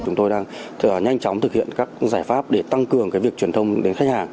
chúng tôi đang nhanh chóng thực hiện các giải pháp để tăng cường việc truyền thông đến khách hàng